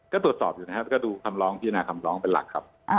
ก็ตรวจสอบอยู่นะครับก็ดูคำร้องพิจารณาคำร้องเป็นหลักครับ